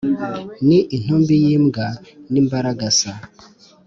Ni intumbi y’imbwa, n’imbaragasa.